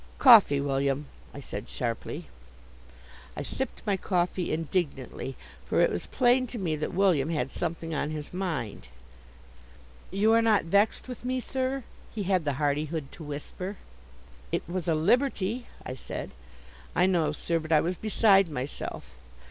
"Coffee, William!" I said, sharply. I sipped my coffee indignantly, for it was plain to me that William had something on his mind. "You are not vexed with me, sir?" he had the hardihood to whisper. "It was a liberty," I said. "I know, sir; but I was beside myself."